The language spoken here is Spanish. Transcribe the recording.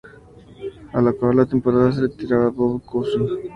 Al acabar la temporada, se retiraba Bob Cousy.